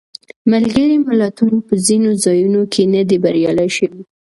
ملګري ملتونه په ځینو ځایونو کې نه دي بریالي شوي.